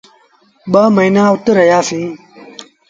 ٻآ موهيݩآن اُت رهيآ سيٚݩ۔